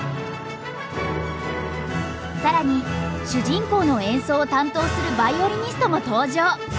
更に主人公の演奏を担当するヴァイオリニストも登場！